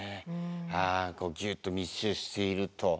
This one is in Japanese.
ギュッと密集していると。